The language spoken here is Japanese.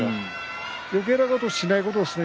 よけいなことをしないことですね。